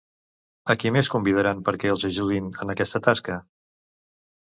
A qui més convidaran perquè els ajudin en aquesta tasca?